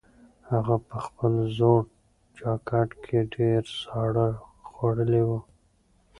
هغه په خپل زوړ جاکټ کې ډېر ساړه خوړلي وو.